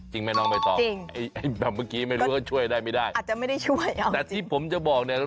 จริงไหมน้องไม่ตอบแบบเมื่อกี้ไม่รู้ว่าช่วยได้ไม่ได้แต่ที่ผมจะบอกเนี่ย